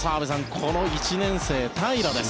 この１年生、平良です。